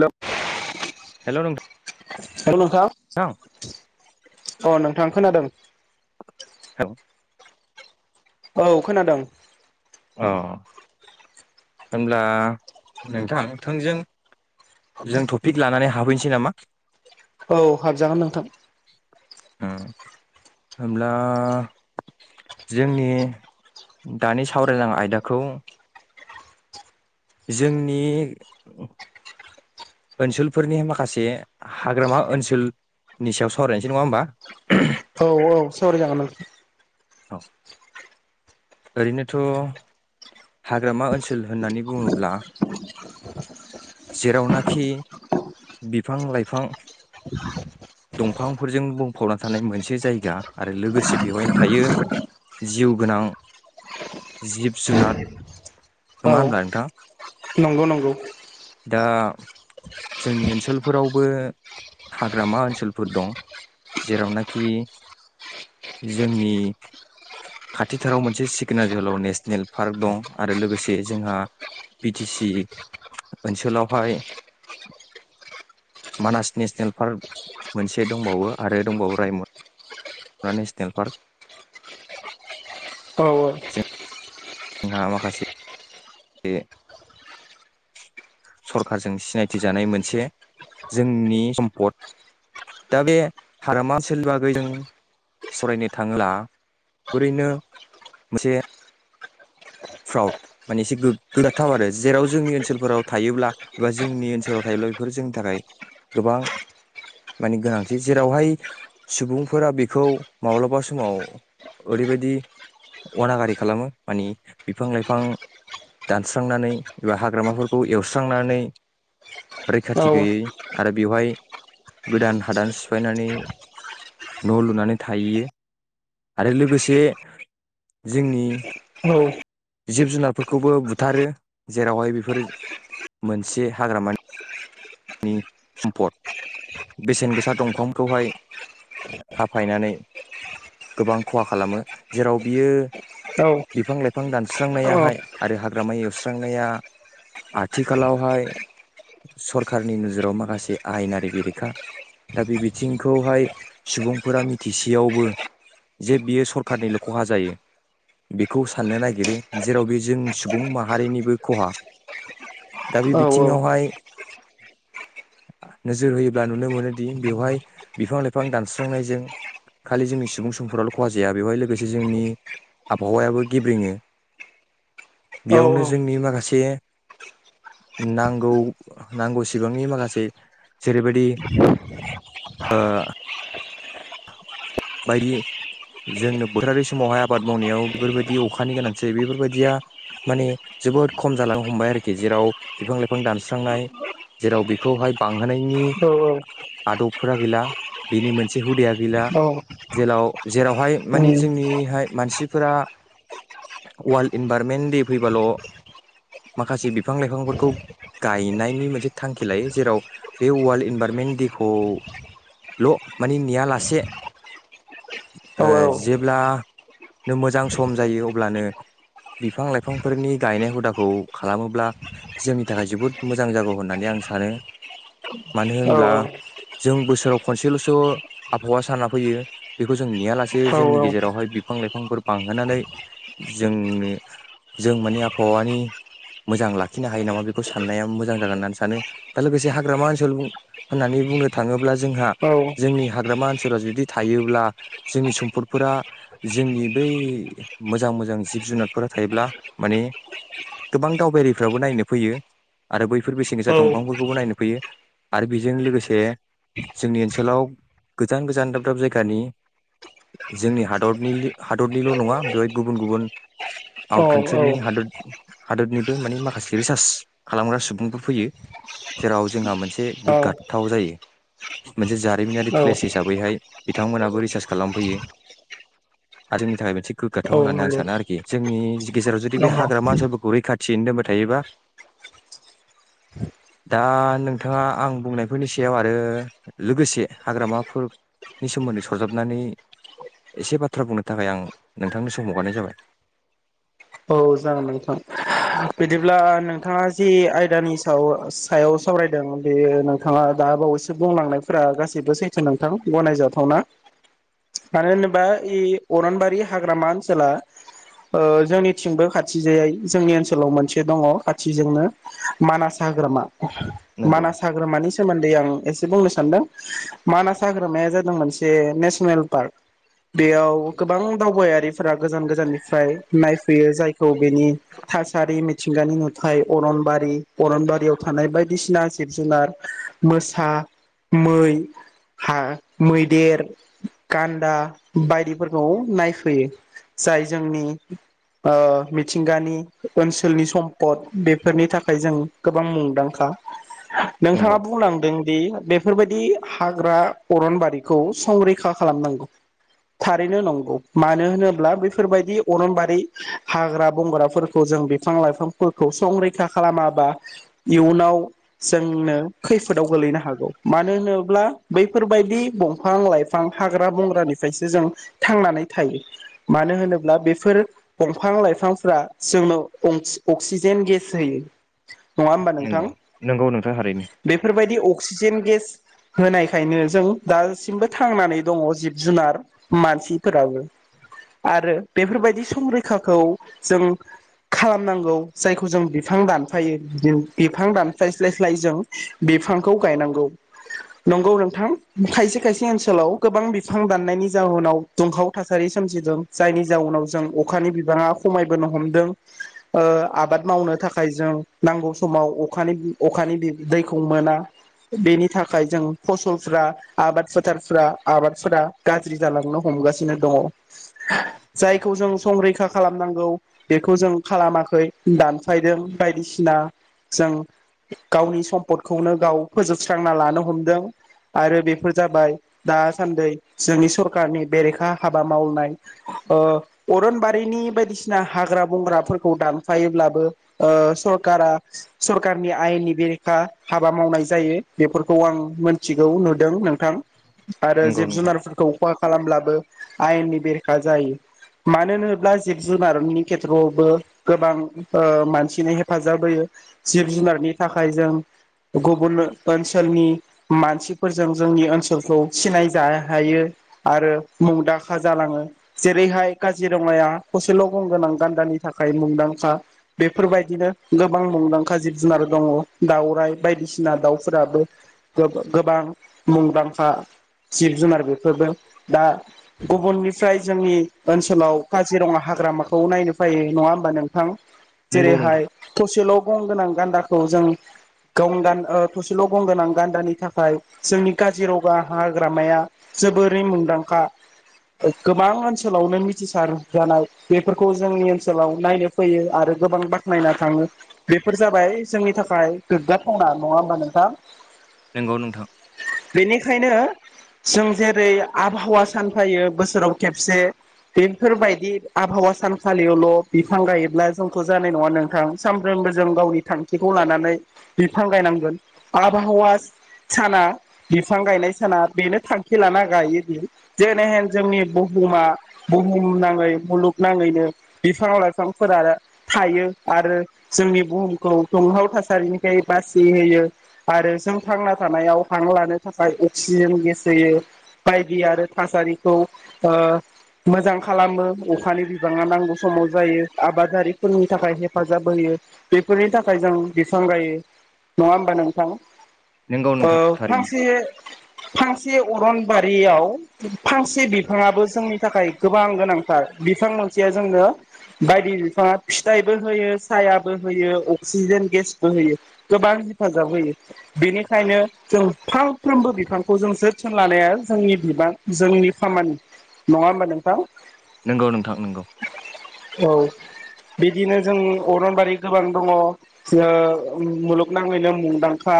द [unintelligible] हेलौ नोंथा [inaudible] हेलौ नोंथां अ नोंथां खोनादों [unintelligible] औ खोनादों अ होनब्ला नोंथां थोंजों जों टपिक लानानै हाबहैनोसै नामा? औ हाबजागोन नोंथां हुम होमब्ला जोंनि दानि सावरायलां आयदाखौ जोंनि ओनसोलफोरनि माखासे हाग्रामा ओनसोलनि सायाव सावरायनसै नङा होमबा? औ औ सावराय जागोन नोंथां। औ ओरैनोथ' हाग्रामा ओनसोल होननानै बुङोब्ला जेरावनाखि बिफां लाइफां दंफांफोरजों बुंफबना थानाय मोनसे जायगा आरो लोगोसे बेवहायनो थायो जिउ गोनां जिब जुनार औ नङा होमब्ला नोंथां नंगौ नंगौ दा जोंनि ओनसोलफोरावबो हाग्रामा ओनसोलफोर दं जेरावनाकि जोंनि खाथिथाराव मोनसे सिकोनाजोहोलाव नेसनेल पार्क दं आरो लोगोसे जोंहा बि टि सि ओनसोलावहाय मानास नेसनेल पार्क मोनसे दंबावो आरो दंबावो रायमन ना नेसनेल पार्क औ जों हा माखासे बे सरखारजों सिनायथि जानाय मोनसे जोंनि सम्पद दा बे हाग्रामा ओनसोलनि बागै जों सरायनो थाङोब्ला ओरैनो मोनसे फ्राउड माने एसे गो-गोराथाव आरो जेराव जोंनि ओनसोलफोराव थायोब्ला बा जोंनि ओनसोलाव थायोब्ला बेफोरो जोंनि थाखाय गोबां माने गोनांथि जेरावहाय सुबुंफोरा बेखौ माब्लाबा समाव ओरैबायदि अनागारि खालामो मानि बिफां लाइफां दानस्रांनानै एबा हाग्रामाफोरखौ एवस्रांनानै औ रैखाथि गैयै आरो बेवहाय गोदान हादान सिफायनानै न' लुनानै थायैयो आरो लोगोसे जोंनि औ जिब जुनारफोरखौबो बुथारो जेरावहाय बेफोर मोनसे हाग्रामानि नि सम्पद बेसेन गोसा दंफांखौहाय हाफायनानै गोबां खहा खालामो जेराव बियो औ बिफां लाइफां दानस्रांनायाहाय आरो हाग्रामा एवस्रांनाया आथिखालावहाय सर खारनि नोजोराव माखासे आयेनारि बेरेखा दा बे बिथिंखौहाय सुबुंफोरा मिथिसेयावबो जे बियो सरखारनिल' खहा जायो बेखौ साननो नागिरो जेराव बे जों सुबुं माहारिनिबो ख'हा दा बे औ बिथिंङावहाय नोजोर होयोब्ला नुनो मोनोदि बेवहाय बिफां लाइफां दानस्रांनायजों खालि जोंनि सुबुं समफोराल' खहा जाया बेवहाय लोगोसे जोंनि आबहावायाबो गेब्रेङो औ बेयावनो जोंनि माखासे नांगौ नांगौसिबांनि माखासे जेरैबायदि ओ ओ बायदि जोंनो बोथोरारि समावहाय आबाद मावनायाव बेफोरबायदि अखानि गोनांथि जायो बेफोरबायदिया माने जोबोद खम जालांनो हमबाय आरोखि जेराव बिफां लाइफां दानस्रांनाय जेराव बेखौहाय बांहोनायनि औ आदबफोरा गैला बेनि मोनसे बे हुदाया गैला औ जेलाव जेरावहाय उम मानि जोंनिहाय मानसिफोरा अवाल्ड इनभारमेन्ट दे फैबाल' माखासे बिफां लाइफांफोरखौ गायनायनि मोनसे थांखि लायो जेराव बे वार्ल्ड इनभारमेन्ट दे खौ ल' मानि नेया लासे औ ओ जेब्ला नो मोजां सम जायो अब्लानो बिफां लाइफांफोरनि गायनाय हुदाखौ खालामोब्ला जोंनि थाखाय जोबोद मोजां जागौ होननानै आं सानो मानो औ होनब्ला जों बोसोराव खनसेल'सो त आबहावा साना फैयो बेखौ जों नेया लासे जोंनि गेजेरावहाय बिफां लाइफांफोर बांहोनानै जोंनो जों मानि आबहावानि मोजां लाखिनो हायो नामा बेखौ साननाया मोजां जागोन होननानै सानो ओ लोगोसे हाग्रामा ओनसोल होननानै बुंनो थाङोब्ला जोंहा औ जोंनि हाग्रामा ओनसोला जुदि थायोब्ला जोंनि सम्फदफोरा जोंनि बै मोजां मोजां जिब जुनारफोरा थायोब्ला माने गोबां दावबायारिफ्राबो नायनो फैयो आरो बैफोर बेसेन गोसा दंफांफोरखौबो नायनो फैयो आरो बेजों लोगोसे जोंनि ओनसोलाव गोजान गोजान दाब दाब जायगानि जोंनि हादरनि हादरनिल' नङा बेवहाय गुबुन गुबुन आउट कान्ट्रिनि हादोद हादोदनिबो माने माखासे रिसार्च खालामग्रा सुबुंफोर फैयो जेराव जोंहा मोनसे गोग्गाथाव जायो । मोनसे जारिमिनारि प्लेस औ हिसाबैहाय बिथांमोनाबो रिसार्च खालामफैयो हारिनि थाखाय मोनसे गोग्गाथाव होननानै आं सानो औ आरोखि जोंनि जि गेजेराव जुदि बे नंगौ नंगौ हाग्रामा ओनसोलफोरखौ रैखाथियैनो दोनबाय थायोबा । दा नोंथाङा आं बुंनायफोरनि सायाव आरो लोगोसे हाग्रामाफोरनि सोमोन्दै सरजाबनानै एसे बाथ्रा बुंनो थाखाय आं नोंथांनो सम हगारनाय जाबाय। औ जागोन नोंथां बिदिब्ला नोंथाङा जि आयदानि साव सायाव सावरायदों बेयो नोंथाङा दा बावैसो बुंलांनायफोरा गासै बो सैथो नोंथां गनाय जाथा वना मानो होनोबा इ अरनबारि हाग्रामा ओनसोला ओ जोंनि थिंबो खाथि जायै जोंनि ओनसोलाव मोनसे दङ खाथिजोंनो मानास हाग्रामा । नंगौ मानास हाग्रामानि सोमोन्दै आं एसे बुंनो सानदों मानास हाग्रामाया जादों मोनसे नेसनेल पार्क बेयाव गोबां दावबायारिफोरा गोजान गोजाननिफ्राय नायफ बेयो जाय गौ बेनि थासारि मिट थिंगानि नुथाय अरनबारि अरनबारियाव थानाय बायदिसिना जिब जुनार मोसा मै हा मैदेर गान्दा बायदिफोरखौ नायफैयो जाय जोंनि ओ मिथिंगानि ओनसोलनि सम्पद बेफोरनि थाखाय जों गोबां मुंदांखा नंगौ नोंथाङा बुंलांदों दि बेफोरबायदि हाग्रा अरनबारिखौ संरैखा खालामनांगौ थारैनो नंगौ मानो होनोब्ला बेफोरबायदि अरनबारि हाग्रा बंग्राफोरखौ जों बिफां लाइफांफोरखौ संरैखा खालामाबा इयुनाव जोंनो खैफोदाव गोलैनो हागौ मानो होनोब्ला बैफोरबायदि दंफां लाइफां हाग्रा बंग्रानिफ्रायसो जों थांनानै थायो मानो होनोब्ला बेफोर दंफां लाइफांफोरा जोंनो अन्क-अक्सिजेन गेस होयो नङा होमबा नोंथां नंगौ नंगौ नोंथां थारैनो बेफोरबायदि अक्सिजेन गेस होनायखायनो जों दासिमबो थांनानै दङ जिब जुनार मानसिफोराबो आरो बेफोरबायदि संरै खाखौ जों खालामनांगौ जायखौ जों बिफां दानफायो बिनो बिफां दानस्लायस्लायस्लाय जों बिफांखौ गायनांगौ नंगौ नोंथां खायसे खायसे ओनसोलाव गोबां बिफां दाननायनि जाउनाव दुंहाव थासारि सोमजिदों जायनि जाउनाव जों अक खानि बिबाङा खमायबोनो हमदों ओ आबाद मावनो थाखाय जों नांगौ समाव अखानि अखानि दै-दैखौ मोना बेनि थाखाय जों फसलफोरा आबाद फोथारफोरा आबादफोरा गाज्रि जालांनो हमगासिनो दङ जायखौ जों संरैखा खालामनांगौ बेखौ जों खालामाखै दानफायदों बायदिसिना जों गावनि सम्पदखौनो गाव फोजोबस्रांना लानो हमदों आरो बेफोर जाबाय दासान्दै जोंनि सरखारारनि बेरेखा हाबा मावनाय ओ अरनबारिनि बायदिसिना हाग्रा बंग्राफोरखौ दानफायोब्लाबो ओ सरखारा सरखारनि आयेननि बेरेखा हाबा मावनाय जायो बेफोरखौ आं मिथिगौ नुदों नोंथां आरो नंगौ जिब नोंथां जुनारफोरखौ [unintelligible] खालामब्लाबो आयेननि बेरेखा जायो। मानो होनोब्ला जिब जुनारनि खेथ्रआवबो गोबां ओ मानसिनो हेफाजाब होयो जिब जुनारनि थाखाय जों गुबुन ओनसोलनि मानसिफोरजों जोंनि ओनसोलखौ सिनाय जा हायो आरो मुंदांखा जालाङो जेरैहाय काजिरङाया थसेल' गंगोनां गान्दानि थाखाय मुंदांखा बेफोरबायदिनो गोबां मुंदांखा जिब जुनार दङ दाउराइ बायदिसिना दाउफोराबो गोबां मुंदांखा जिब जुनार बे फोरबो दा गुबुननिफ्राय जोंनि ओनसोलाव काजिरङा हाग्रामाखौ नायनो फै नङा होमबा नोंथां? जेरैहाय थसेल' गं गोनां गान्दाखौ जों थसेल' ग गोनां गान्दानि थाखाय जोंनि काजिरङा हाग्राम जोबोरै मुंदांखा गोबां ओ ओनसोलावनो मिथिसार जानाय बेफोरखौ जोंनि ओनसोलाव नायनो फैयो आरो गोबां बाख्नायना थाङो बेफोर जाबाय जोंनि थाखाय गोग्गाथावना नङा होमबा नोंथां? नंगौ नोंथां। बेनिखायनो जों जेरै आबहावा सानफायो बोसोराव खेबसे बेफोरबायदि आबहावा सानखालियावल' बिफां गायोब्ला जोंथ' जानाय नङा नोंथां सानफ्रोमबो जों गावनि थांखिखौ लानानै बिफां गायनांगोन आबहावा साना बिफां गायनाय साना बेनो थांखि लाना गायोदि जेरैहेन जोंनि बुहुमा बुहुम नाङै मुलुगनाङैनो बिफां लाइफांफोरा थायो आरो जोंनि बुहुमखौ दुंहाव थासारिनिफ्राय बासि होयो आरो जों थांना थानायाव हां लानो थाखाय अक्सिजेन गेस होयो बायदि आरो थासारिखौ ओ मोजां खालामो अखानि बिबाङा नांगौ समाव जायो आबादारिफोरनि थाखाय हेफाजाब होयो बेफोरनि थाखाय जों बिसन गायो नङा होमबा नोंथां? नंगौ ओ नोंथां थारैनो फांसे फांसे अरनबारियाव फांसे बिफाङाबो जोंनि थाखाय गोबां गोनांथार बिफां मोनसेया जोंनो बायदि बिफाङा फिथाइबो होयो सायाबो होयो अक्सिजेन गेसबो होयो गोबां हेफाजाब होयो बेनिखायनो जों फांफ्रोमबो बिफांखौ जों जोथोन लानाया जोंनि बिबां जोंनि खामानि नङा होमबा नों थां नंगौ नोंथां नंगौ औ बिदिनो जों अरनबारि गोबां दङ ओ मुलुगनाङैनो मुंदांखा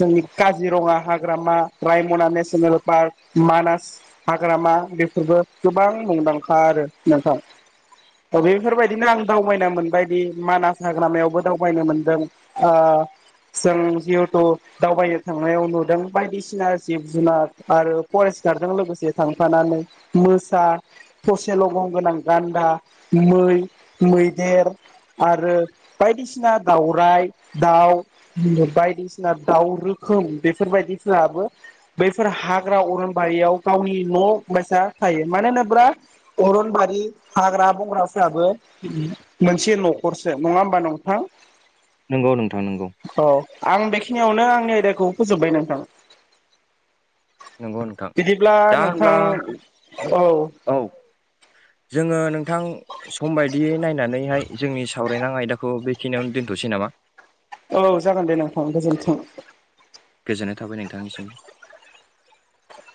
जोंनि काजिरङा हाग्रामा रायमना नेसनेल पार्क मानास हाग्रामा बेफोरबो गोबां मुंदांखा आरो नोंथां बेफोर बायदिनो आं दावबायना मोनबायदि मानास हाग्रामायावबो दावबायनो मोनदों जों जिहेथु दावबायनो थांनायाव नुदों बायदिसिना जिब जुनार आरो फरेस्ट गार्डजों लोगोसे थांफानानै म ता थसेल' गं गोनां गान्दा मै मैदेर आरो बायदिसिना दाउराइ दाउ बायदिसिना दाउ रोखोम बेफोरबायदिफोराबो बैफोर हाग्रा अरनबारियाव गावनि न' बायसा थायो। होनोब्रा अरनबारि हाग्रा बंग्राफोराबो मोनसे न' खरसो नङा होमबा नंथां नंगौ नोंथां नंगौ। औ आं बेखिनि [unintelligible] आंनि आयदाखौ फोजोबबाय नोंथां। नंगौ नोंथां बिदिब्ला दा होनब्ला नोंथां औ औ जोङो नोंथां सम बायदियै नायनानैहाय जोंनि सावरायनां आयदाखौ बेखिनियावनो दोनथ'नोसै नामा? औ जागोन दे नोंथां गोजोनथों। गोजोननाय थाबाय नोंथांनिसिम।